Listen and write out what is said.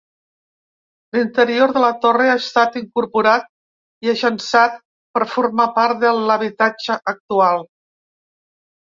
L'interior de la torre ha estat incorporat i agençat per formar part de l'habitatge actual.